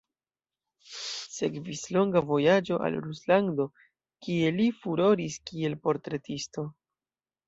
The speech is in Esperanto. Sekvis longa vojaĝo al Ruslando kie li furoris kiel portretisto.